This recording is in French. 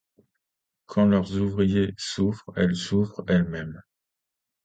Quand leurs ouvriers souffrent, elles souffrent elles-mêmes.